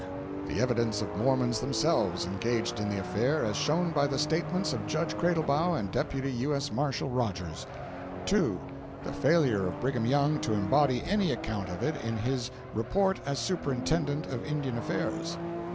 The evidence of Mormons themselves, engaged in the affair, as shown by the statements of Judge Cradlebaugh and Deputy U.S. Marshall Rodgers. "2. The failure of Brigham Young to embody any account of it in his Report as Superintendent of Indian Affairs.